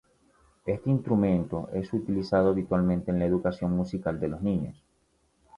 Este instrumento es utilizado habitualmente en la educación musical de los niños.